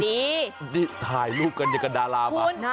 นี่นี่ถ่ายรูปกันอย่างกับดารามา